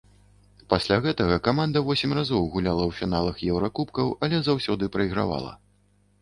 Пасля гэтага каманда восем разоў гуляла у фіналах еўракубкаў, але заўсёды прайгравала.